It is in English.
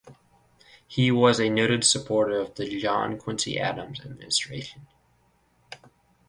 He was a noted supporter of the John Quincy Adams administration.